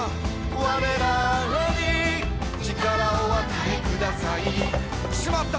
「われらに力をお与えください」「しまった！」